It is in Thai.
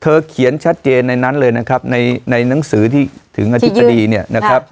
เขียนชัดเจนในนั้นเลยนะครับในในหนังสือที่ถึงอธิบดีเนี่ยนะครับ